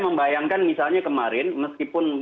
membayangkan misalnya kemarin meskipun